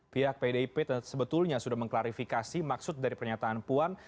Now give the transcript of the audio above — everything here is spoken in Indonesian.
pihak pdip sebetulnya sudah mengklarifikasi maksud dari pernyataan puan